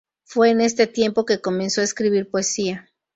Fue en este tiempo que comenzó a escribir poesía.